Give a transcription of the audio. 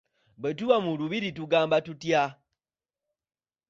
Bwe tuba mu lubiri tugamba tutya?